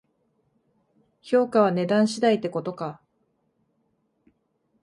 評価は値段次第ってことか